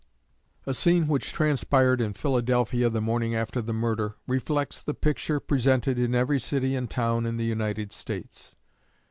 A scene which transpired in Philadelphia, the morning after the murder, reflects the picture presented in every city and town in the United States.